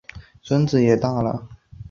孙子也都大了